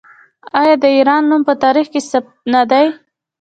آیا د ایران نوم په تاریخ کې ثبت نه دی؟